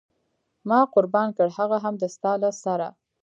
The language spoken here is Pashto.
ما قربان کړ هغه هم د ستا له سره.